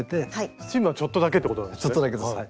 スチームはちょっとだけってことなんですねはい。